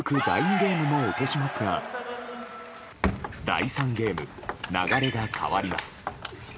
ゲームも落としますが第３ゲーム流れが変わります。